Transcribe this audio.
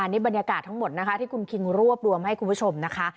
นี่บรรยากาศทั้งหมดนะคะที่คุณคิงรวบรวมให้คุณผู้ชมนะคะ